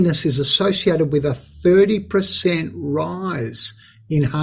dan kematian awal dari berikutnya